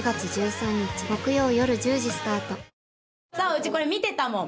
うちこれ見てたもん